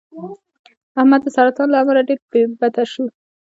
احمد د سرطان له امله ډېر بته شو.